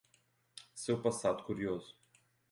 Seu passado curioso